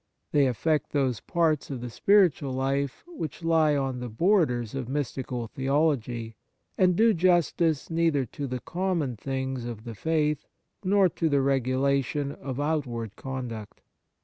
They affect those parts of the spiritual life which lie on the borders of mystical theology, and do justice neither to the common things of the faith nor to the regulation of outward conduct.